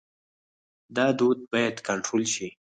دا دود باید کنټرول شي.